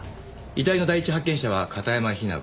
遺体の第一発見者は片山雛子。